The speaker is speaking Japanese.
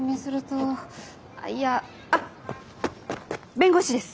弁護士です。